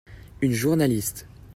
Une journaliste.